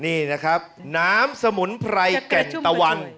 นี่นะครับน้ำสมุนไพรแก่นตะวัน